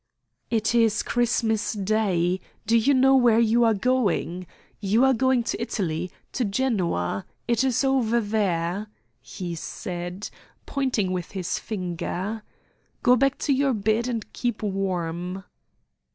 "It is Christmas day. Do you know where you are going? You are going to Italy, to Genoa. It is over there," he said, pointing with his finger. "Go back to your bed and keep warm."